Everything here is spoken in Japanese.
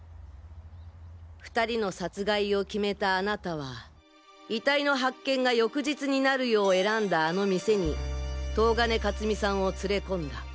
２人の殺害を決めたあなたは遺体の発見が翌日になるよう選んだあの店に東金勝美さんを連れ込んだ。